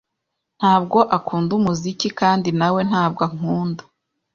"Ntabwo akunda umuziki." "Kandi na we ntabwo ankunda."